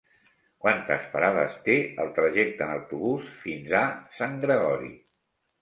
Quantes parades té el trajecte en autobús fins a Sant Gregori?